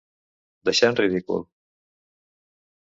Deixar en ridícul.